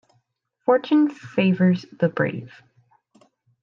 Fortune favours the brave.